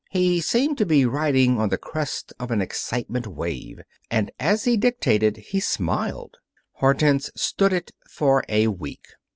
He seemed to be riding on the crest of an excitement wave. And, as he dictated, he smiled. Hortense stood it for a week.